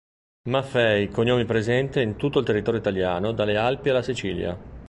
Maffei cognome presente in tutto il territorio italiano, dalle Alpi alla Sicilia.